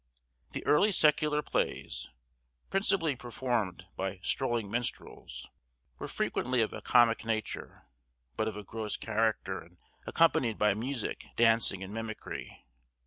The early secular plays, principally performed by strolling minstrels, were frequently of a comic nature, but of a gross character, and accompanied by music, dancing, and mimicry.